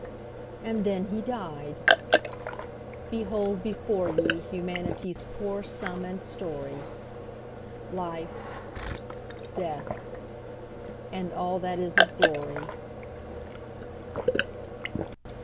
And then he died! Behold before ye Humanity's poor sum and story; Life, Death, and all that is of glory.